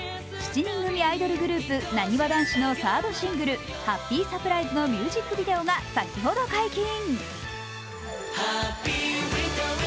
７人組アイドルグループなにわ男子のサードシングル「ハッピーサプライズ」のミュージックビデオが先ほど解禁。